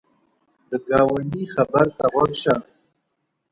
د ګاونډي خبر ته غوږ شه